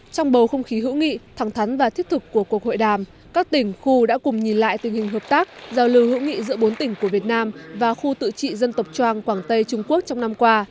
trong bầu không khí hữu nghị thẳng thắn và thiết thực của cuộc hội đàm các tỉnh khu đã cùng nhìn lại tình hình hợp tác giao lưu hữu nghị giữa bốn tỉnh của việt nam và khu tự trị dân tộc trang quảng tây trung quốc trong năm qua